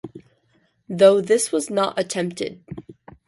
Though this was not attempted.